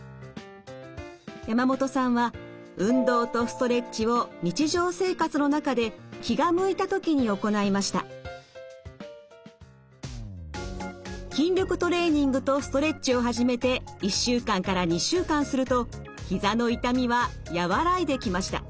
山本さんは運動とストレッチを日常生活の中で筋力トレーニングとストレッチを始めて１週間から２週間するとひざの痛みは和らいできました。